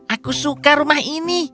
aku suka rumah ini